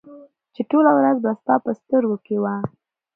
چې ټوله ورځ به ستا په سترګو کې وه